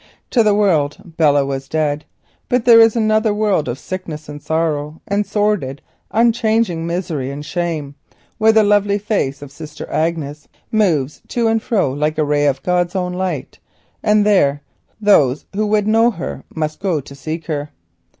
To the world Belle is dead, but there is another world of sickness, and sordid unchanging misery and shame, where the lovely face of Sister Agnes moves to and fro like a ray of heaven's own light. There those who would know her must go to seek her.